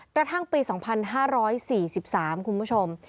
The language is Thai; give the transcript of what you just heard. กระทั่งปี๒๕๔๓คุณผู้ชม